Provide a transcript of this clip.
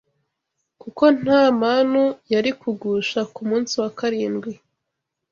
kuko nta manu yari kugusha ku munsi wa karindwi